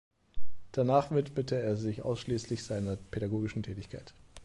Danach widmete er sich ausschließlich seiner pädagogischen Tätigkeit.